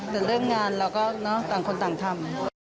แต่เรื่องงานเราก็ต่างคนต่างทำ